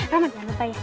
roman jangan lupa ya